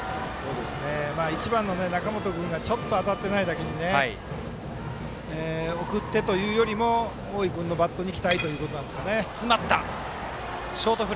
１番の中本君がちょっと当たってないだけに送ってというよりも大井君のバットに期待ということなんでしょうかね。